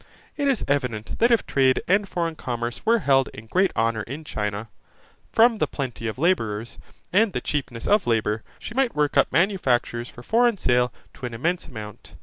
It is evident, that if trade and foreign commerce were held in great honour in China, from the plenty of labourers, and the cheapness of labour, she might work up manufactures for foreign sale to an immense amount.